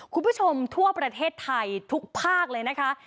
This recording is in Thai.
คุณผู้ชมทั่วประเทศไทยทุกภาคเลยนะคะ